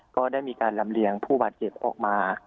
ก็ได้มีการลำเลียงผู้บาดเจ็บออกมา